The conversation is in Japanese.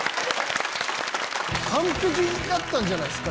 完璧だったんじゃないすか？